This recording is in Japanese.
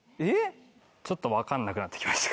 ちょっと分かんなくなってきました。